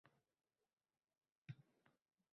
Botir firqa... qog‘oz-hujjatga ishondi.